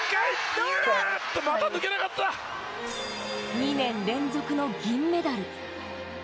２年連続の銀メダル。